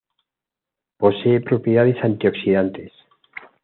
Posee propiedades antioxidantes.